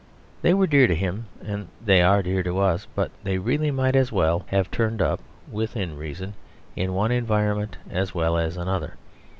They were dear to him, and they are dear to us; but they really might as well have turned up (within reason) in one environment as well as in another.